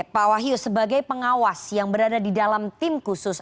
pak wahyu sebagai pengawas yang berada di dalam tim khusus